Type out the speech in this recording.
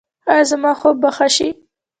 ایا زما خوب به ښه شي؟